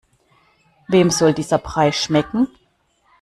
Wem soll dieser Brei schmecken?